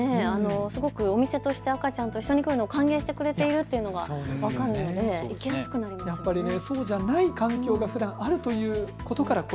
お店として赤ちゃんと来るのを歓迎してくれているというのが分かるので行きやすくなるんですね。